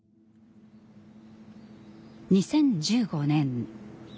２０１５年。